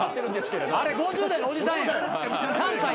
あれ５０代のおじさんやん関西の。